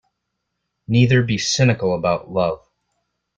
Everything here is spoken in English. Neither be cynical about love